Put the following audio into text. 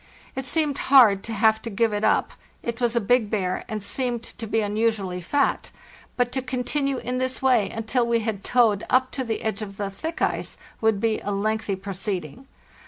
It seemed hard to have to give it up; it was a big bear and seemed to be unusually fat; but to continue in this way until we had towed up to the edge of the thick ice would be a lengthy proceeding.